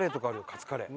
カツカレー。